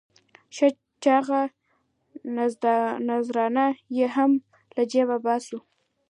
ښه چاغه نذرانه یې هم له جېبه باسو.